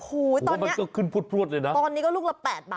โหตอนนี้ก็ขึ้นพวดพวดเลยนะตอนนี้ก็ลูกละ๘๐บาทเอามา